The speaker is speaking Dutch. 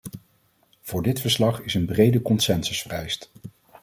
Voor dit verslag is een brede consensus vereist.